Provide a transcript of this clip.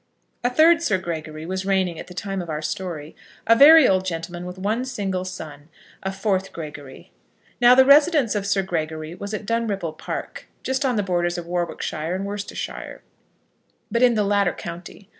A third Sir Gregory was reigning at the time of our story, a very old gentleman with one single son, a fourth Gregory. Now the residence of Sir Gregory was at Dunripple Park, just on the borders of Warwickshire and Worcestershire, but in the latter county.